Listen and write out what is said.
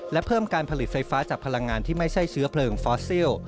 และเพิ่มการผลิตไฟฟ้าจากพลังงานที่ไม่ใช่เชื้อเพลิงฟอสซิล